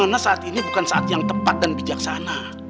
karena saat ini bukan saat yang tepat dan bijaksana